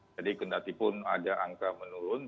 jadi kendali pun ada angka menurun